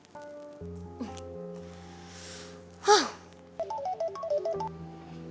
perang dunia deh kita